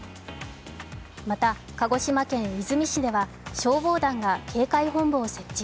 また、鹿児島県出水市では消防団が警戒本部を設置。